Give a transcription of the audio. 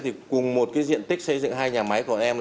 thì cùng một cái diện tích xây dựng hai nhà máy của em là